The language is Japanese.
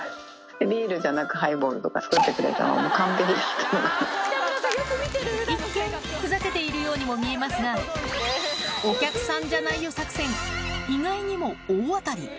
ビールじゃなくハイボール作一見、ふざけているようにも見えますが、お客さんじゃないよ作戦、意外にも大当たり。